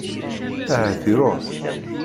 Ahat iṛuḥ.